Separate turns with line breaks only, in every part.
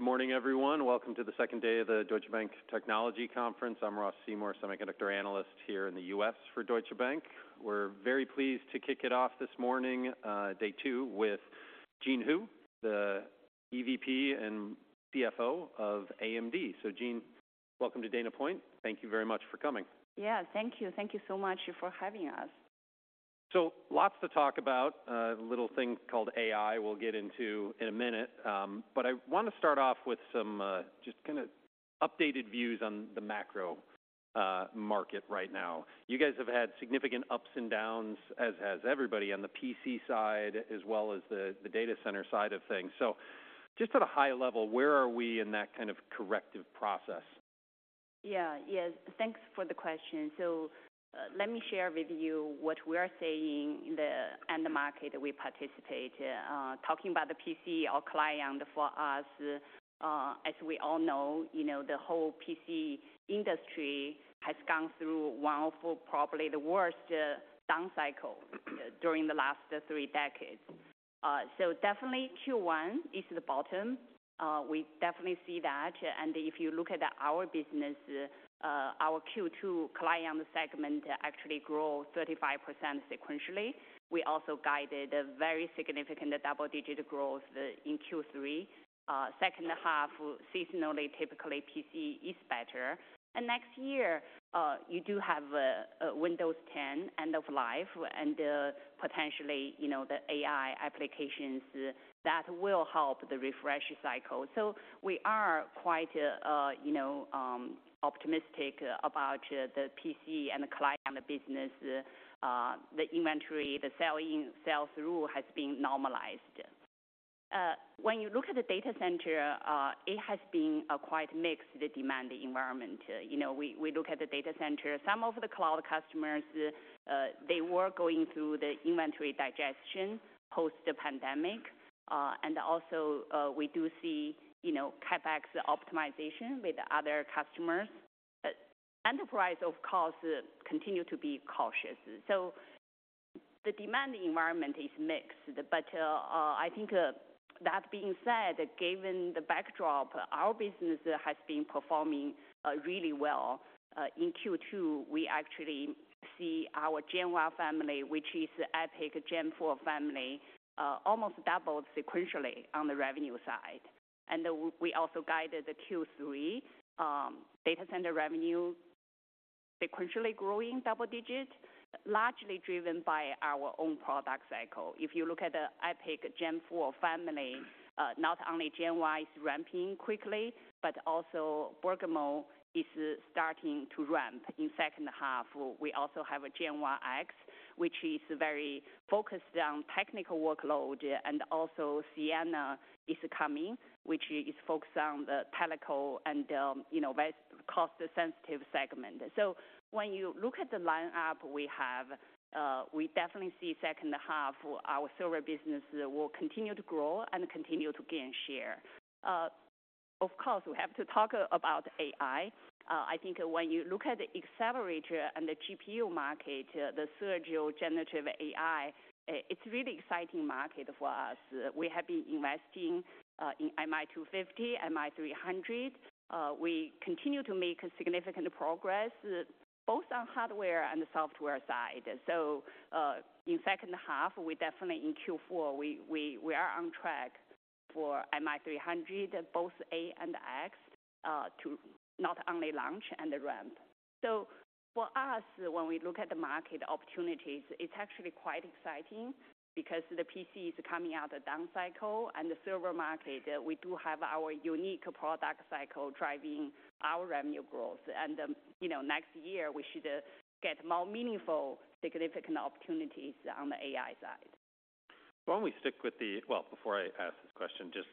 Good morning, everyone. Welcome to the second day of the Deutsche Bank Technology Conference. I'm Ross Seymore, semiconductor analyst here in the U.S. for Deutsche Bank. We're very pleased to kick it off this morning, day two, with Jean Hu, the EVP and CFO of AMD. So, Jean, welcome to Dana Point. Thank you very much for coming.
Yeah, thank you. Thank you so much for having us.
So lots to talk about, a little thing called AI we'll get into in a minute. But I want to start off with some, just kind of updated views on the macro, market right now. You guys have had significant ups and downs, as has everybody on the PC side, as well as the, the data center side of things. So just at a high level, where are we in that kind of corrective process?
Yeah. Yes, thanks for the question. So, let me share with you what we are seeing in the market that we participate, talking about the PC or client for us. As we all know, you know, the whole PC industry has gone through one of, probably, the worst down cycles during the last three decades. So definitely Q1 is the bottom. We definitely see that. And if you look at our business, our Q2 client segment actually grew 35% sequentially. We also guided a very significant double-digit growth in Q3. Second half, seasonally, typically, PC is better, and next year, you do have Windows 10 end of life and potentially, you know, the AI applications that will help the refresh cycle. So we are quite, you know, optimistic about the PC and the client business. The inventory, the sell-through has been normalized. When you look at the data center, it has been a quite mixed demand environment. You know, we look at the data center, some of the cloud customers, they were going through the inventory digestion post the pandemic. And also, we do see, you know, CapEx optimization with other customers. Enterprise, of course, continue to be cautious, so the demand environment is mixed. But, I think, that being said, given the backdrop, our business has been performing really well. In Q2, we actually see our Genoa family, which is the EPYC Gen four family, almost doubled sequentially on the revenue side. And we also guided the Q3 data center revenue sequentially growing double digits, largely driven by our own product cycle. If you look at the EPYC Gen 4 family, not only Genoa is ramping quickly, but also Bergamo is starting to ramp in second half. We also have a Genoa-X, which is very focused on technical workload, and also Siena is coming, which is focused on the telecom and, you know, very cost-sensitive segment. So when you look at the lineup we have, we definitely see second half, our server business will continue to grow and continue to gain share. Of course, we have to talk about AI. I think when you look at the accelerator and the GPU market, the surge of generative AI, it's a really exciting market for us. We have been investing, in MI250, MI300. We continue to make significant progress both on hardware and software side. So, in second half, we definitely in Q4, we are on track for MI300, both A and X, to not only launch and ramp. So for us, when we look at the market opportunities, it's actually quite exciting because the PC is coming out of down cycle and the server market, we do have our unique product cycle driving our revenue growth. And, you know, next year we should get more meaningful, significant opportunities on the AI side.
Why don't we stick with the—well, before I ask this question, just,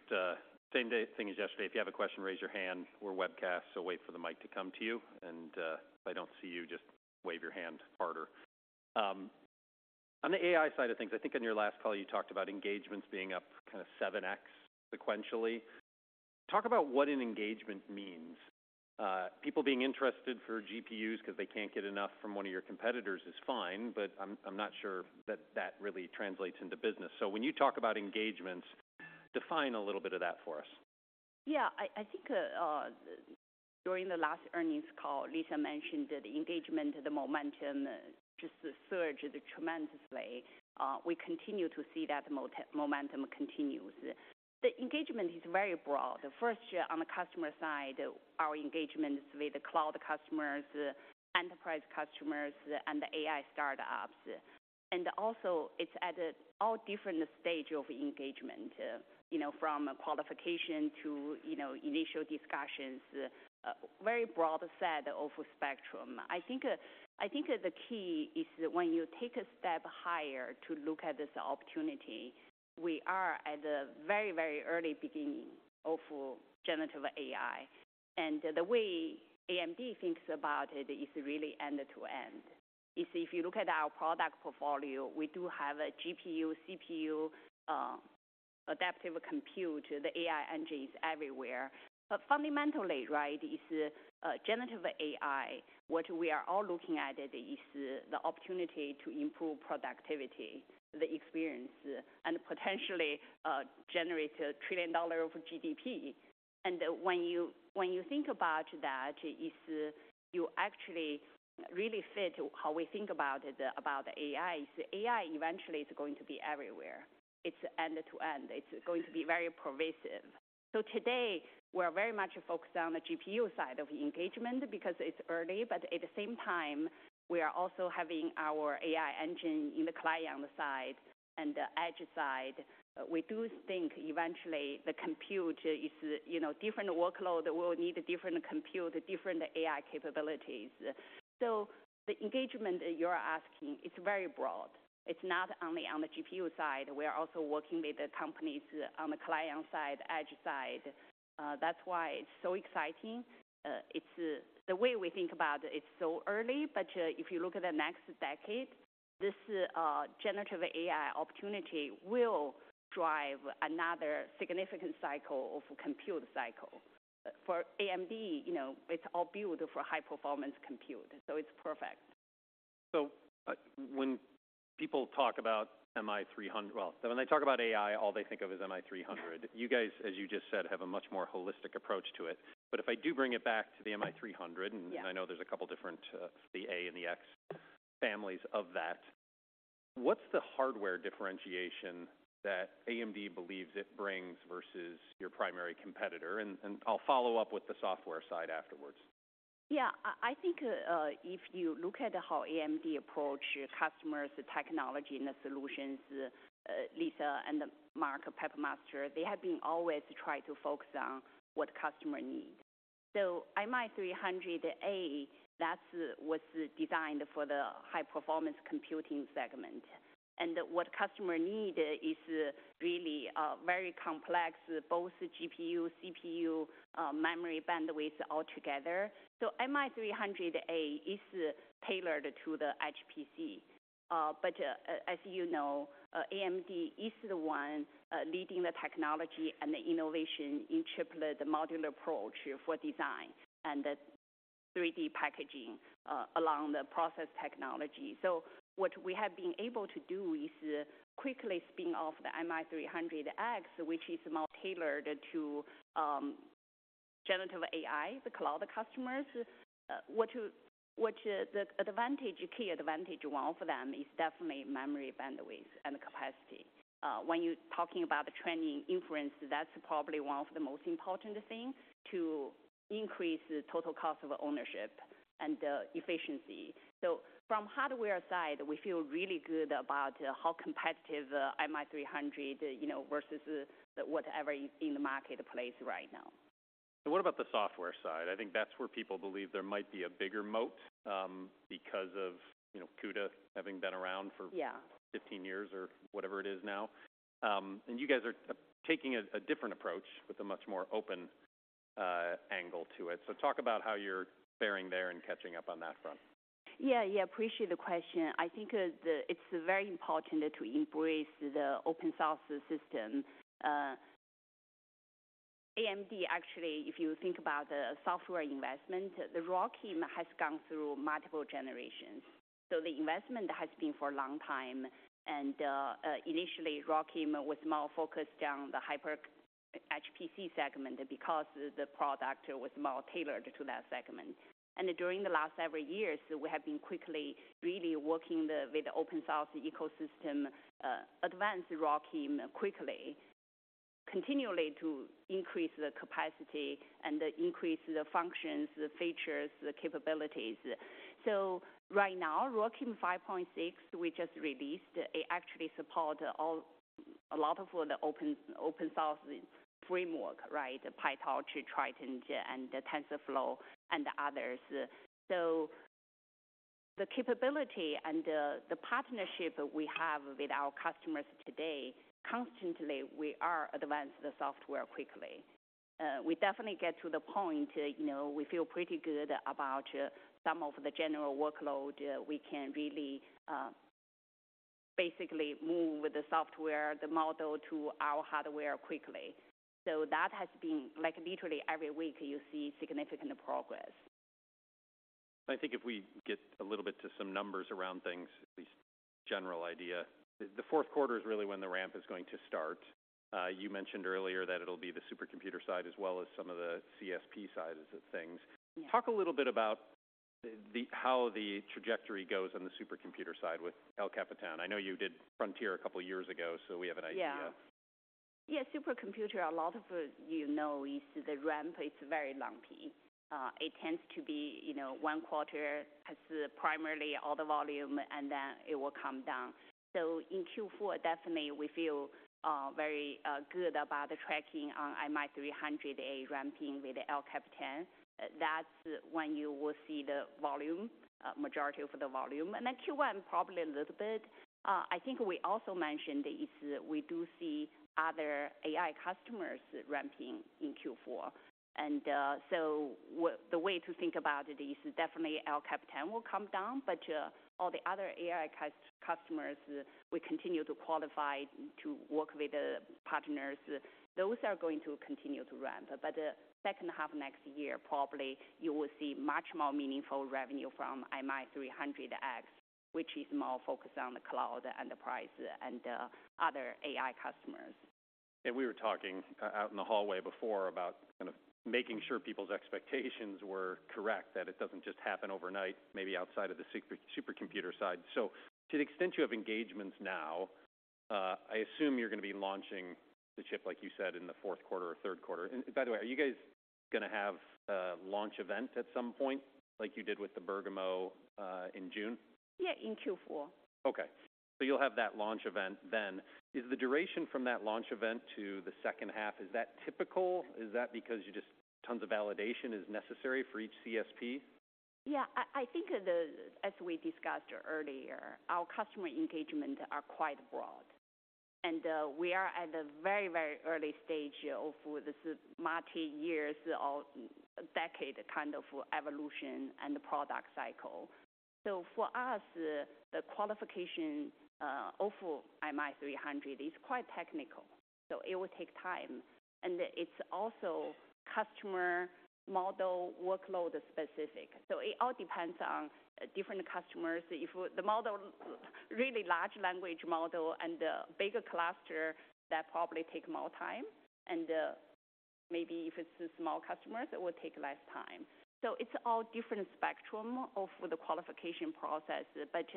same day, thing as yesterday. If you have a question, raise your hand. We're webcast, so wait for the mic to come to you, and, if I don't see you, just wave your hand harder. On the AI side of things, I think on your last call, you talked about engagements being up kind of 7x sequentially. Talk about what an engagement means. People being interested for GPUs because they can't get enough from one of your competitors is fine, but I'm, I'm not sure that that really translates into business. So when you talk about engagements, define a little bit of that for us.
Yeah. I think, during the last earnings call, Lisa mentioned that the engagement, the momentum, just surged tremendously. We continue to see that momentum continues. The engagement is very broad. First, on the customer side, our engagements with the cloud customers, enterprise customers, and the AI startups, and also it's at all different stage of engagement, you know, from qualification to, you know, initial discussions, very broad set of spectrum. I think the key is that when you take a step higher to look at this opportunity, we are at the very, very early beginning of generative AI, and the way AMD thinks about it is really end-to-end. If you look at our product portfolio, we do have a GPU, CPU, adaptive compute, the AI engine is everywhere. But fundamentally, right, is generative AI. What we are all looking at is the, the opportunity to improve productivity, the experience, and potentially generate $1 trillion of GDP. And when you, when you think about that, is you actually really fit how we think about it, about the AI. AI eventually is going to be everywhere. It's end to end. It's going to be very pervasive. So today, we're very much focused on the GPU side of engagement because it's early, but at the same time, we are also having our AI engine in the client side and the edge side. We do think eventually the compute is, you know, different workload will need a different compute, different AI capabilities. So the engagement you're asking, it's very broad. It's not only on the GPU side. We are also working with the companies on the client side, edge side. That's why it's so exciting. It's, the way we think about it, it's so early, but, if you look at the next decade, this, Generative AI opportunity will drive another significant cycle of compute cycle. For AMD, you know, it's all built for high-performance compute, so it's perfect.
So, when people talk about MI300—well, when they talk about AI, all they think of is MI300.
Yeah.
You guys, as you just said, have a much more holistic approach to it. But if I do bring it back to the MI300.
Yeah.
I know there's a couple different, the A and the X families of that. What's the hardware differentiation that AMD believes it brings versus your primary competitor? And, and I'll follow up with the software side afterwards.
Yeah, I, I think, if you look at how AMD approach customers, the technology and the solutions, Lisa and Mark Papermaster, they have been always trying to focus on what customer need. So MI300A, that's what's designed for the high-performance computing segment. And what customer need is really, very complex, both GPU, CPU, memory bandwidth altogether. So MI300A is tailored to the HPC. But, as you know, AMD is the one leading the technology and the innovation in chiplet modular approach for design and the 3D packaging, along the process technology. So what we have been able to do is quickly spin off the MI300X, which is more tailored to, generative AI, the cloud customers. Which, the key advantage, one of them is definitely memory bandwidth and capacity. When you're talking about the training inference, that's probably one of the most important things to increase the total cost of ownership and efficiency. So from hardware side, we feel really good about how competitive MI300, you know, versus whatever is in the marketplace right now.
So what about the software side? I think that's where people believe there might be a bigger moat, because of, you know, CUDA having been around for 15 years or whatever it is now. And you guys are taking a different approach with a much more open angle to it. So talk about how you're bearing there and catching up on that front.
Yeah. Yeah, appreciate the question. I think, it's very important to embrace the open source system. AMD, actually, if you think about the software investment, the ROCm has gone through multiple generations, so the investment has been for a long time. And initially, ROCm was more focused on the HPC segment because the product was more tailored to that segment. And during the last several years, we have been quickly really working with the open source ecosystem, advance ROCm quickly, continually to increase the capacity and increase the functions, the features, the capabilities. So right now, ROCm 5.6, we just released, it actually supports a lot of the open source frameworks, right? PyTorch, Triton, and TensorFlow, and others. So the capabilities and the partnership we have with our customers today, constantly, we are advancing the software quickly. We definitely get to the point, you know, we feel pretty good about some of the general workload. We can really basically move the software, the model, to our hardware quickly. So that has been like, literally every week you see significant progress.
I think if we get a little bit to some numbers around things, at least general idea, the fourth quarter is really when the ramp is going to start. You mentioned earlier that it'll be the supercomputer side as well as some of the CSP sides of things.
Yeah.
Talk a little bit about how the trajectory goes on the supercomputer side with El Capitan. I know you did Frontier a couple of years ago, so we have an idea.
Yeah. Yeah, supercomputer, a lot of, you know, is the ramp, it's very lumpy. It tends to be, you know, one quarter has primarily all the volume, and then it will come down. So in Q4, definitely we feel very good about the tracking on MI300A ramping with El Capitan. That's when you will see the volume, majority of the volume. And then Q1, probably a little bit. I think we also mentioned is we do see other AI customers ramping in Q4. And so the way to think about it is definitely El Capitan will come down, but all the other AI customers, we continue to qualify to work with the partners. Those are going to continue to ramp. By the second half of next year, probably you will see much more meaningful revenue from MI300X, which is more focused on the cloud enterprise and other AI customers.
And we were talking out in the hallway before about kind of making sure people's expectations were correct, that it doesn't just happen overnight, maybe outside of the supercomputer side. So to the extent you have engagements now, I assume you're gonna be launching the chip, like you said, in the fourth quarter or third quarter. And by the way, are you guys gonna have a launch event at some point, like you did with the Bergamo in June?
Yeah, in Q4.
Okay. You'll have that launch event then. Is the duration from that launch event to the second half, is that typical? Is that because you just, tons of validation is necessary for each CSP?
Yeah, I think, as we discussed earlier, our customer engagement are quite broad, and we are at a very, very early stage of this multi years or decade kind of evolution and the product cycle. So for us, the qualification of MI300 is quite technical, so it will take time, and it's also customer model workload specific. So it all depends on different customers. If the model, really large language model and bigger cluster, that probably take more time, and maybe if it's a small customers, it will take less time. So it's all different spectrum of the qualification process. But,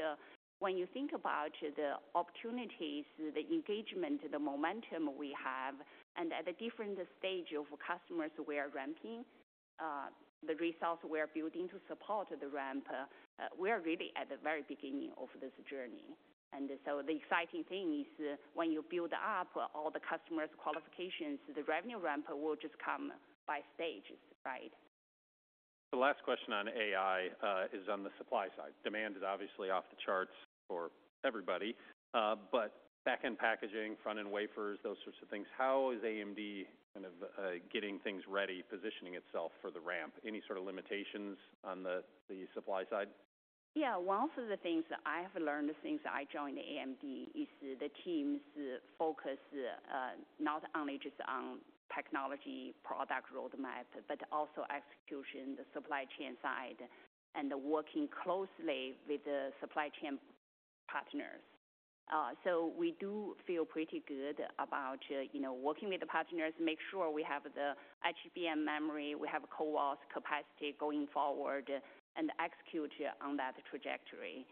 when you think about the opportunities, the engagement, the momentum we have and at a different stage of customers we are ramping, the results we are building to support the ramp, we are really at the very beginning of this journey. And so the exciting thing is when you build up all the customers' qualifications, the revenue ramp will just come by stages, right?
The last question on AI is on the supply side. Demand is obviously off the charts for everybody, but back-end packaging, front-end wafers, those sorts of things. How is AMD kind of getting things ready, positioning itself for the ramp? Any sort of limitations on the supply side?
Yeah. One of the things I have learned since I joined AMD is the teams focus, not only just on technology, product roadmap, but also execution, the supply chain side, and working closely with the supply chain partners. So we do feel pretty good about, you know, working with the partners, make sure we have the HBM memory, we have CoWoS capacity going forward, and execute on that trajectory.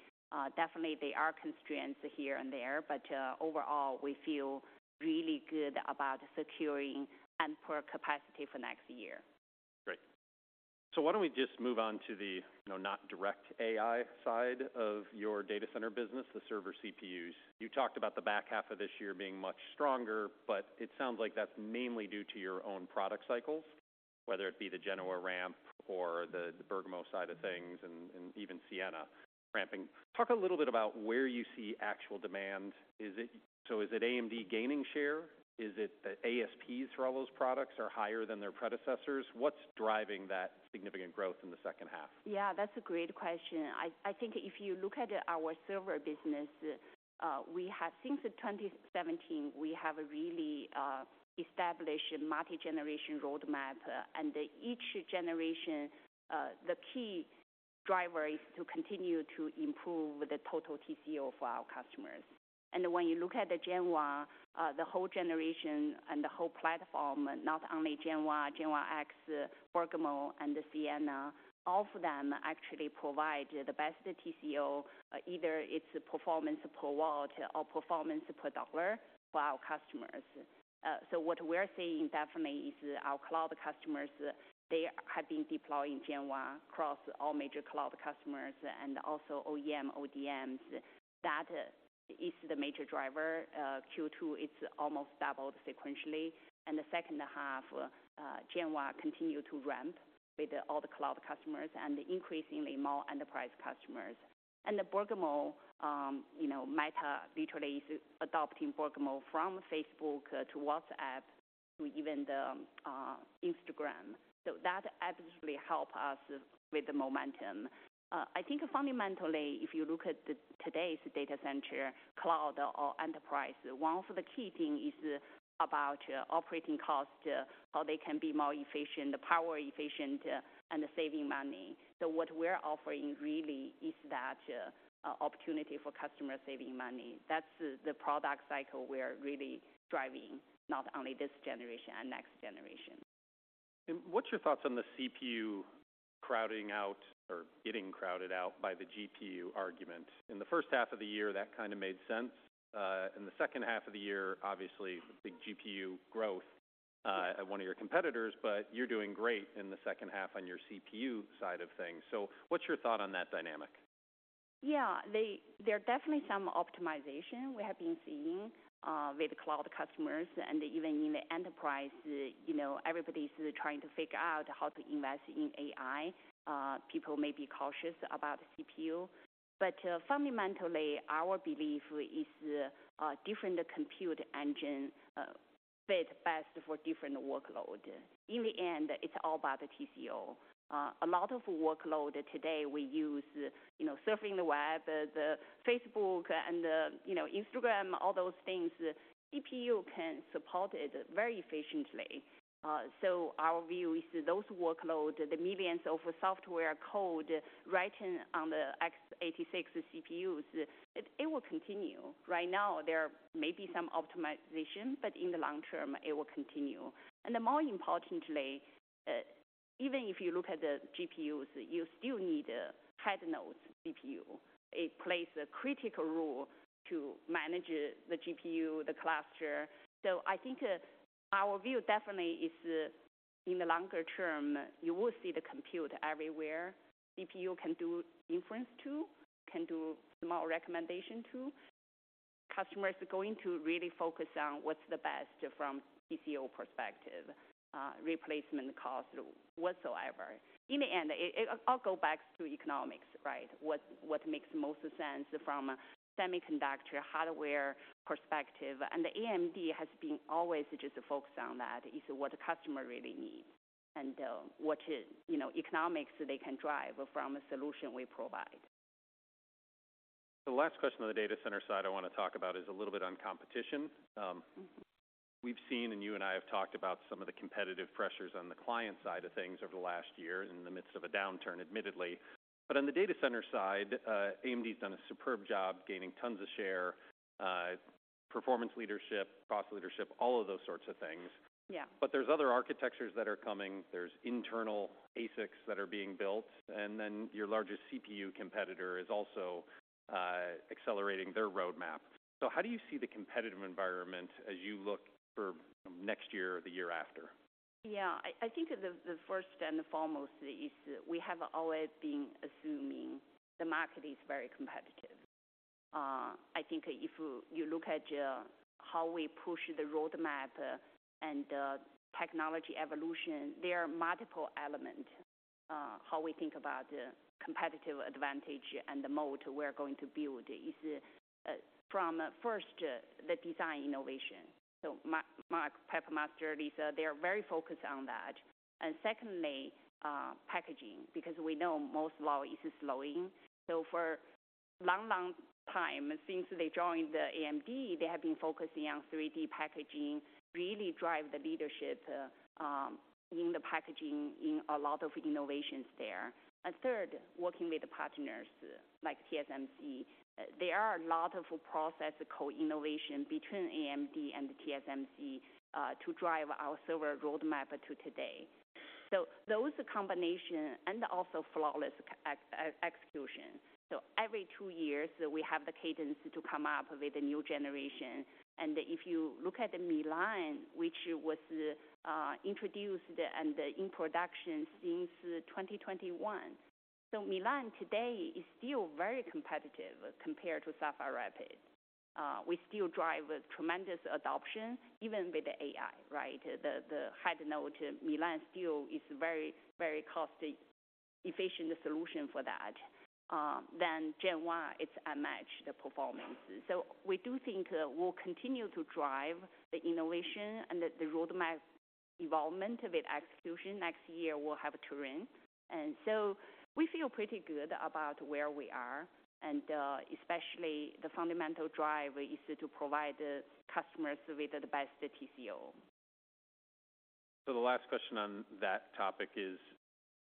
Definitely there are constraints here and there, but, overall, we feel really good about securing ample capacity for next year.
Great. So why don't we just move on to the, you know, not direct AI side of your data center business, the server CPUs. You talked about the back half of this year being much stronger, but it sounds like that's mainly due to your own product cycles, whether it be the Genoa ramp or the Bergamo side of things, and, and even Siena ramping. Talk a little bit about where you see actual demand. Is it—so is it AMD gaining share? Is it ASPs for all those products are higher than their predecessors? What's driving that significant growth in the second half?
Yeah, that's a great question. I, I think if you look at our server business, we have. Since 2017, we have really established a multi-generation roadmap, and each generation, the key driver is to continue to improve the total TCO for our customers. And when you look at the Genoa, the whole generation and the whole platform, not only Genoa, Genoa-X, Bergamo and the Siena, all of them actually provide the best TCO. Either it's performance per watt or performance per dollar for our customers. So what we're seeing definitely is our cloud customers, they have been deploying Genoa across all major cloud customers and also OEM, ODMs. That is the major driver. Q2, it's almost doubled sequentially, and the second half, Genoa continue to ramp with all the cloud customers and increasingly more enterprise customers. And the Bergamo, you know, Meta literally is adopting Bergamo from Facebook to WhatsApp to even the Instagram. So that absolutely help us with the momentum. I think fundamentally, if you look at the today's data center, cloud or enterprise, one of the key thing is about operating costs, how they can be more efficient, power efficient, and saving money. So what we're offering really is that, opportunity for customers saving money. That's the, the product cycle we're really driving, not only this generation and next generation.
What's your thoughts on the CPU crowding out or getting crowded out by the GPU argument? In the first half of the year, that kind of made sense. In the second half of the year, obviously, big GPU growth at one of your competitors, but you're doing great in the second half on your CPU side of things. What's your thought on that dynamic?
Yeah. There are definitely some optimization we have been seeing with cloud customers and even in the enterprise. You know, everybody's trying to figure out how to invest in AI. People may be cautious about CPU, but fundamentally, our belief is different compute engine fit best for different workload. In the end, it's all about the TCO. A lot of workload today, we use, you know, surfing the web, the Facebook and the, you know, Instagram, all those things, CPU can support it very efficiently. So our view is those workloads, the millions of software code written on the x86 CPUs, it will continue. Right now, there may be some optimization, but in the long term it will continue. And more importantly, even if you look at the GPUs, you still need a head node GPU. It plays a critical role to manage the GPU, the cluster. So I think, our view definitely is, in the longer term, you will see the compute everywhere. GPU can do inference too, can do small recommendation, too. Customers are going to really focus on what's the best from TCO perspective, replacement cost, whatsoever. In the end, it, it—all go back to economics, right? What, what makes the most sense from a semiconductor hardware perspective. And AMD has been always just focused on that, is what the customer really needs and, what is, you know, economics they can drive from a solution we provide.
The last question on the data center side I want to talk about is a little bit on competition. We've seen, and you and I have talked about some of the competitive pressures on the client side of things over the last year, in the midst of a downturn, admittedly. But on the data center side, AMD's done a superb job gaining tons of share, performance leadership, cost leadership, all of those sorts of things.
Yeah.
There's other architectures that are coming. There's internal ASICs that are being built, and then your largest CPU competitor is also accelerating their roadmap. How do you see the competitive environment as you look for next year or the year after?
Yeah. I think the first and foremost is we have always been assuming the market is very competitive. I think if you look at how we push the roadmap and technology evolution, there are multiple elements how we think about competitive advantage and the mode we're going to build is from first the design innovation. So Mark Papermaster, Lisa, they are very focused on that. And secondly, packaging, because we know Moore's law is slowing. So for long, long time, since they joined AMD, they have been focusing on 3D packaging, really drive the leadership in the packaging, in a lot of innovations there. And third, working with the partners like TSMC. There are a lot of process co-innovation between AMD and TSMC to drive our server roadmap to today. So those combination and also flawless execution. So every two years, we have the cadence to come up with a new generation. And if you look at the Milan, which was introduced and in production since 2021. So Milan today is still very competitive compared to Sapphire Rapids. We still drive a tremendous adoption, even with the AI, right? The, the high note, Milan still is very, very cost-efficient solution for that. Then Genoa, it's unmatched, the performance. So we do think we'll continue to drive the innovation and the, the roadmap development with execution. Next year, we'll have Turin. And so we feel pretty good about where we are, and especially the fundamental drive is to provide the customers with the best TCO.
The last question on that topic is: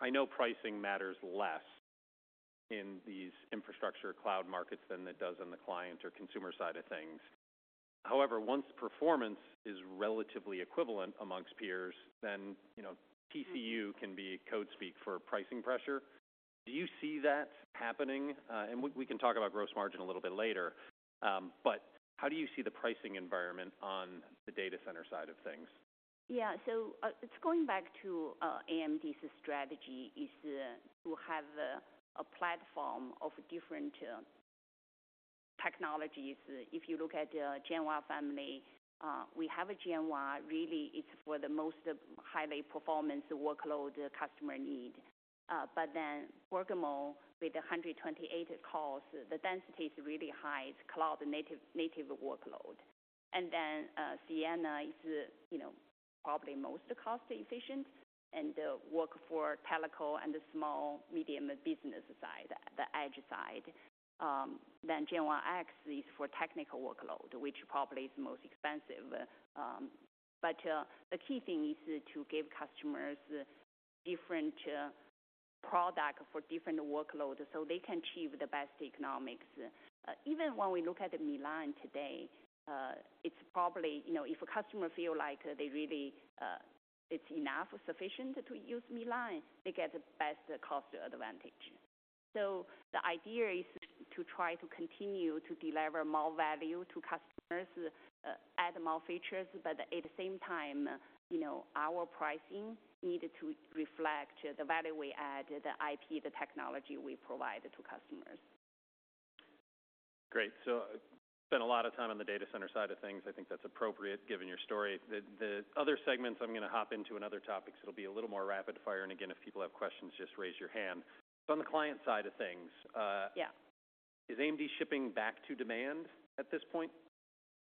I know pricing matters less in these infrastructure cloud markets than it does on the client or consumer side of things. However, once performance is relatively equivalent among peers, then, you know, TCO can be code speak for pricing pressure. Do you see that happening? And we can talk about gross margin a little bit later. But how do you see the pricing environment on the data center side of things?
Yeah. So, it's going back to AMD's strategy, is to have a platform of different technologies. If you look at the Genoa family, we have a Genoa, really, it's for the most highly performance workload the customer need. But then Bergamo, with 128 cores, the density is really high. It's cloud native, native workload. And then, Siena is, you know, probably most cost efficient and work for telco and the small medium business side, the edge side. Then Genoa-X is for technical workload, which probably is the most expensive. But, the key thing is to give customers different product for different workloads so they can achieve the best economics. Even when we look at the Milan today, it's probably. You know, if a customer feel like they really, it's enough or sufficient to use Milan, they get the best cost advantage. So the idea is to try to continue to deliver more value to customers, add more features, but at the same time, you know, our pricing need to reflect the value we add, the IP, the technology we provide to customers.
Great. So I spent a lot of time on the data center side of things. I think that's appropriate, given your story. The other segments, I'm going to hop into another topic, so it'll be a little more rapid fire, and again, if people have questions, just raise your hand. So on the client side of things.
Yeah.
Is AMD shipping back to demand at this point?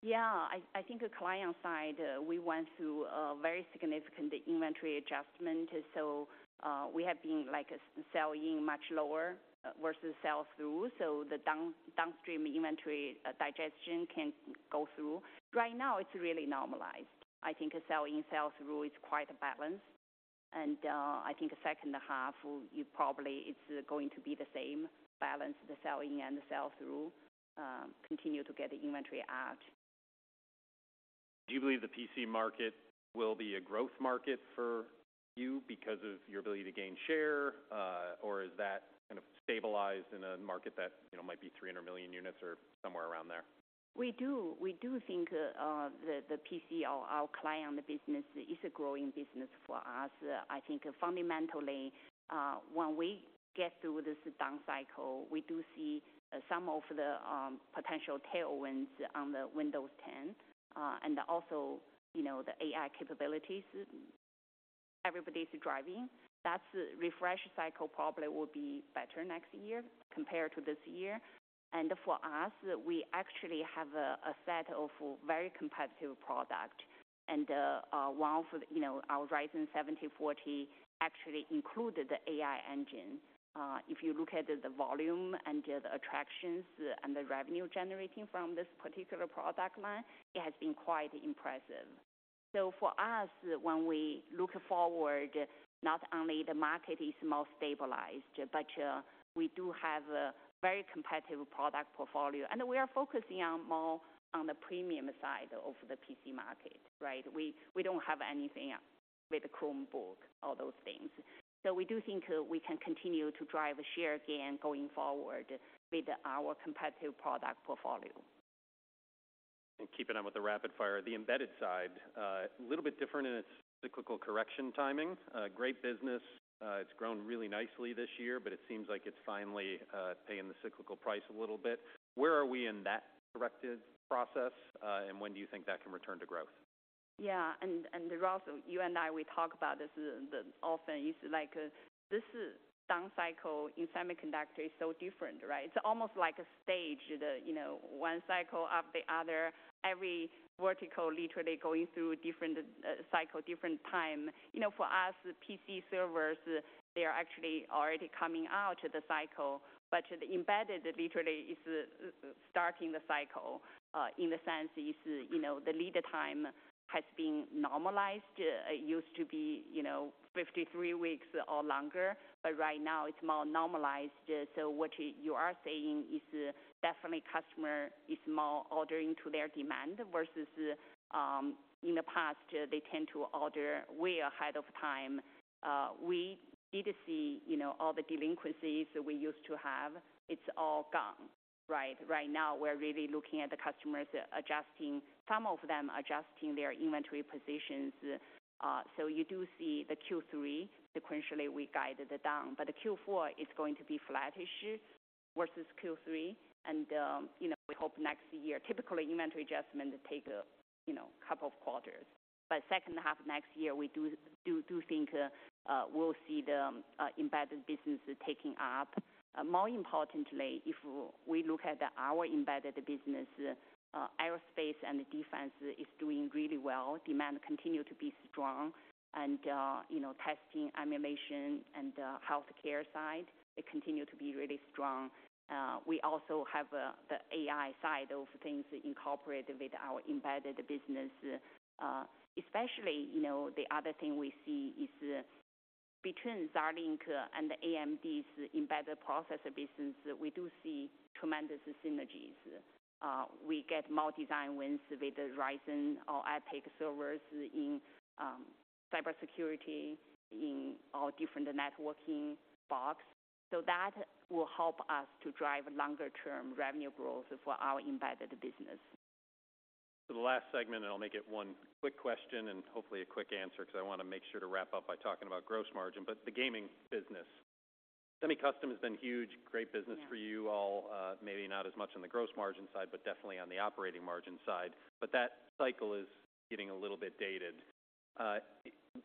Yeah. I think the client side, we went through a very significant inventory adjustment. So, we have been like selling much lower versus sell through, so the downstream inventory digestion can go through. Right now, it's really normalized. I think selling, sell through is quite balanced. And, I think the second half, you probably—it's going to be the same balance, the selling and the sell through, continue to get the inventory out.
Do you believe the PC market will be a growth market for you because of your ability to gain share, or is that kind of stabilized in a market that, you know, might be 300 million units or somewhere around there?
We do. We do think the PC or our client business is a growing business for us. I think fundamentally, when we get through this down cycle, we do see some of the potential tailwinds on the Windows 10 and also, you know, the AI capabilities everybody's driving. That refresh cycle probably will be better next year compared to this year. And for us, we actually have a set of very competitive product. And one of the, you know, our Ryzen 7040 actually included the AI engine. If you look at the volume and the traction and the revenue generating from this particular product line, it has been quite impressive. So for us, when we look forward, not only the market is more stabilized, but we do have a very competitive product portfolio, and we are focusing on more on the premium side of the PC market, right? We don't have anything with Chromebook, all those things. So we do think we can continue to drive share again going forward with our competitive product portfolio.
Keeping on with the rapid fire, the embedded side, a little bit different in its cyclical correction, timing, great business. It's grown really nicely this year, but it seems like it's finally paying the cyclical price a little bit. Where are we in that corrective process, and when do you think that can return to growth?
Yeah, and Ross, you and I, we talk about this often. It's like, this down cycle in semiconductor is so different, right? It's almost like a stage, you know, one cycle after the other, every vertical literally going through different cycle, different time. You know, for us, PC servers, they are actually already coming out of the cycle, but the embedded literally is starting the cycle. In the sense is, you know, the lead time has been normalized. It used to be, you know, 53 weeks or longer, but right now it's more normalized. So what you are saying is definitely customer is more ordering to their demand, versus in the past, they tend to order way ahead of time. We did see, you know, all the delinquencies we used to have, it's all gone, right? Right now, we're really looking at the customers adjusting, some of them adjusting their inventory positions. So you do see the Q3 sequentially, we guided it down, but the Q4 is going to be flat-ish versus Q3. You know, we hope next year. Typically, inventory adjustments take a, you know, couple of quarters, but second half of next year, we do think we'll see the embedded business taking up. More importantly, if we look at our embedded business, aerospace and defense is doing really well. Demand continue to be strong and, you know, testing, automation and healthcare side, it continued to be really strong. We also have the AI side of things incorporated with our embedded business. especially, you know, the other thing we see is between Xilinx and AMD's embedded processor business, we do see tremendous synergies. We get more design wins with Ryzen or EPYC servers in cybersecurity, in all different networking box. So that will help us to drive longer term revenue growth for our embedded business.
So the last segment, and I'll make it one quick question and hopefully a quick answer, because I want to make sure to wrap up by talking about gross margin, but the gaming business. Semi-Custom has been huge, great business for you all.
Yeah.
Maybe not as much on the gross margin side, but definitely on the operating margin side. But that cycle is getting a little bit dated.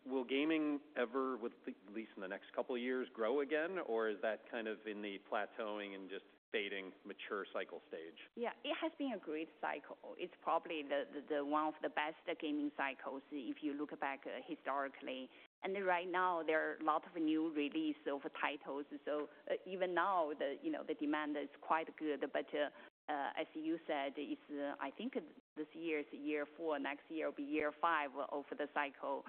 Will gaming ever, with at least in the next couple of years, grow again, or is that kind of in the plateauing and just staying mature cycle stage?
Yeah, it has been a great cycle. It's probably the one of the best gaming cycles, if you look back historically. And right now there are a lot of new release of titles. So even now, you know, the demand is quite good. But, as you said, it's, I think this year is year four, next year will be year five of the cycle.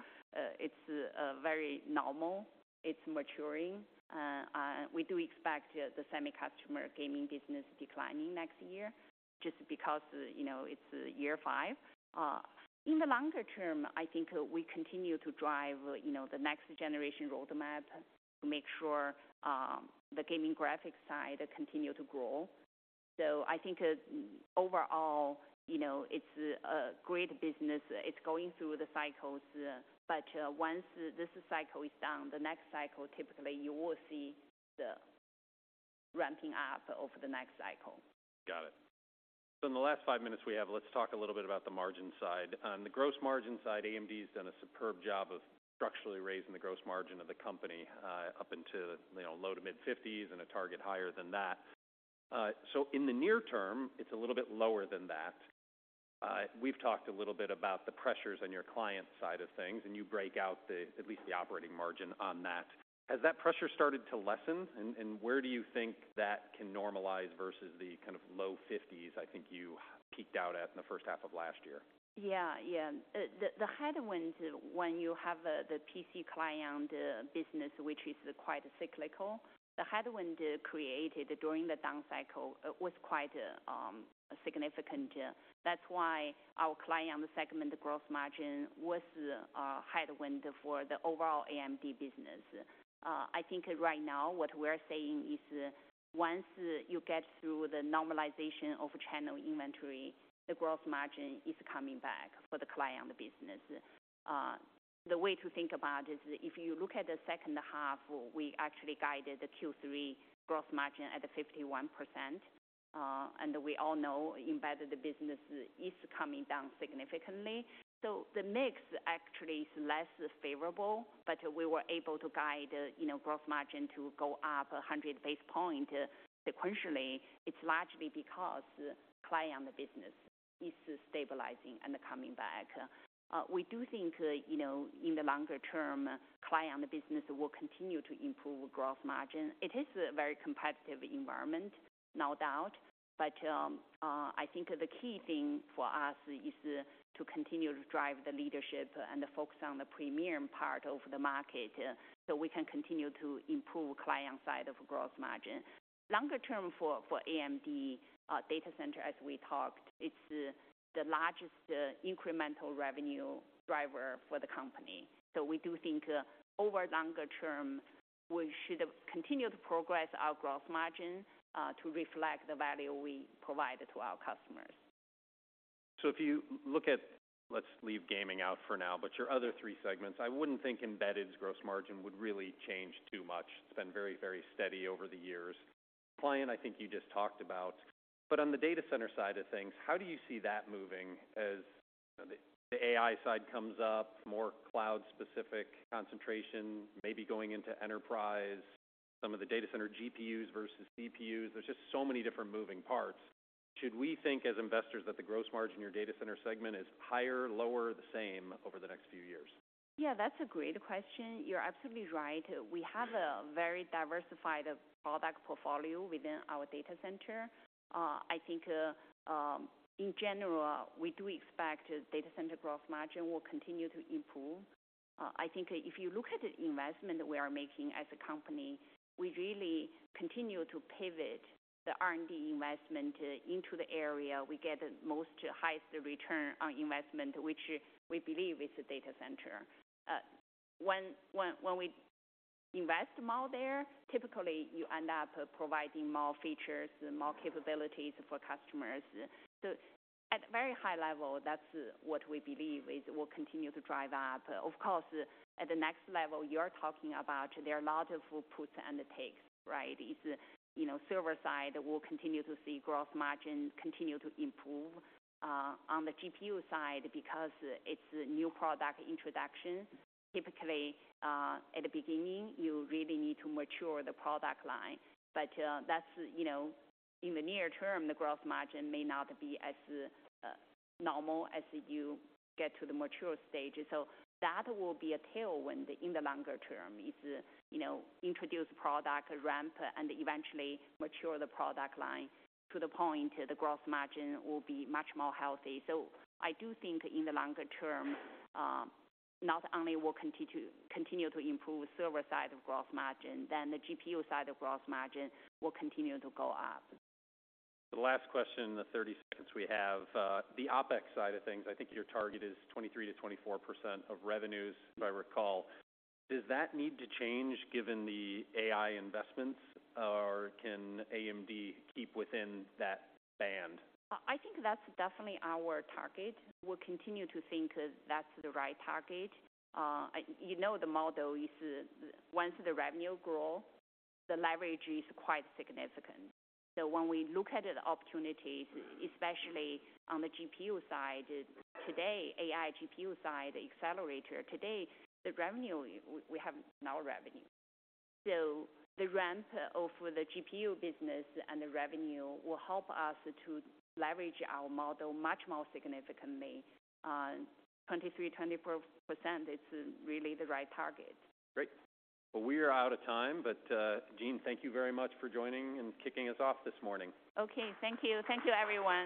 Very normal. It's maturing. We do expect the semi-custom gaming business declining next year just because, you know, it's year five. In the longer term, I think we continue to drive, you know, the next generation roadmap to make sure, the gaming graphics side continue to grow. So I think overall, you know, it's a great business. It's going through the cycles, but once this cycle is down, the next cycle, typically you will see the ramping up over the next cycle.
Got it. So in the last five minutes we have, let's talk a little bit about the margin side. On the gross margin side, AMD has done a superb job of structurally raising the gross margin of the company, up into, you know, low- to mid-50s% and a target higher than that. So in the near term, it's a little bit lower than that. We've talked a little bit about the pressures on your client side of things, and you break out the, at least the operating margin on that. Has that pressure started to lessen, and where do you think that can normalize versus the kind of low 50s% I think you peaked out at in the first half of last year?
Yeah. Yeah. The headwind, when you have the PC client business, which is quite cyclical, the headwind created during the down cycle was quite significant. That's why our client segment, the gross margin, was a headwind for the overall AMD business. I think right now, what we're saying is, once you get through the normalization of channel inventory, the gross margin is coming back for the client business. The way to think about it is if you look at the second half, we actually guided the Q3 gross margin at 51%, and we all know embedded business is coming down significantly. So the mix actually is less favorable, but we were able to guide, you know, gross margin to go up 100 basis points sequentially. It's largely because client business is stabilizing and coming back. We do think, you know, in the longer term, client business will continue to improve gross margin. It is a very competitive environment, no doubt, but I think the key thing for us is to continue to drive the leadership and the focus on the premium part of the market, so we can continue to improve client side of gross margin. Longer term for AMD, data center, as we talked, it's the largest incremental revenue driver for the company. So we do think, over longer term, we should continue to progress our gross margin to reflect the value we provide to our customers.
So if you look at—let's leave gaming out for now, but your other three segments, I wouldn't think embedded gross margin would really change too much. It's been very, very steady over the years. Client, I think you just talked about. But on the data center side of things, how do you see that moving as the AI side comes up, more cloud-specific concentration, maybe going into enterprise, some of the data center GPUs versus CPUs? There's just so many different moving parts. Should we think, as investors, that the gross margin in your data center segment is higher, lower, the same over the next few years?
Yeah, that's a great question. You're absolutely right. We have a very diversified product portfolio within our data center. I think, in general, we do expect data center gross margin will continue to improve. I think if you look at the investment we are making as a company, we really continue to pivot the R&D investment into the area we get the most highest return on investment, which we believe is the data center. When we invest more there, typically you end up providing more features and more capabilities for customers. So at a very high level, that's what we believe is will continue to drive up. Of course, at the next level, you're talking about there are a lot of puts and takes, right? It's, you know, server side, we'll continue to see gross margin continue to improve on the GPU side because it's a new product introduction. Typically, at the beginning, you really need to mature the product line, but that's, you know, in the near term, the gross margin may not be as normal as you get to the mature stage. So that will be a tailwind in the longer term. It's, you know, introduce product ramp and eventually mature the product line to the point the gross margin will be much more healthy. So I do think in the longer term, not only we'll continue to improve server side of gross margin, then the GPU side of gross margin will continue to go up.
The last question, in the 30 seconds we have, the OpEx side of things, I think your target is 23%-24% of revenues, if I recall. Does that need to change given the AI investments, or can AMD keep within that band?
I think that's definitely our target. We'll continue to think that's the right target. You know, the model is once the revenue grow, the leverage is quite significant. So when we look at the opportunities, especially on the GPU side, today, AI GPU side, accelerator, today, the revenue, we have no revenue. So the ramp of the GPU business and the revenue will help us to leverage our model much more significantly. On 23%-24%, it's really the right target.
Great. Well, we are out of time, but, Jean, thank you very much for joining and kicking us off this morning.
Okay, thank you. Thank you, everyone.